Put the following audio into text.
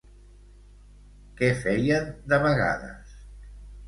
Què feien de vegades?